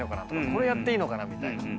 これやっていいのかなみたいな。